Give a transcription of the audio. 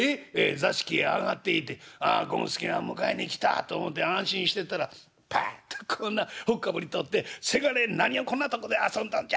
座敷へ上がって行て『権助が迎えに来た』と思て安心してたらパッとこうなほっかぶり取って『せがれ何をこんなとこで遊んどんじゃ！』